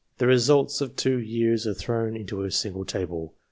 The results of two years are thrown into a single table.